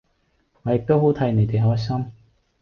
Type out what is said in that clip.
我亦都好替你地開心